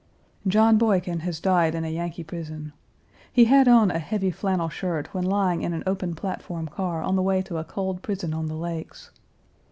John Boykin has died in a Yankee prison. He had on a heavy flannel shirt when lying in an open platform car on the way to a cold prison on the lakes.